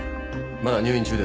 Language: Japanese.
まだ入院中です。